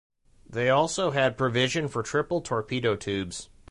They also had provision for triple torpedo tubes.